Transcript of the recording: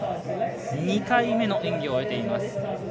２回目の演技を終えています。